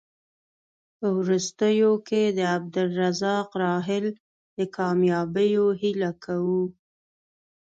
په وروستیو کې د عبدالرزاق راحل د کامیابیو هیله کوو.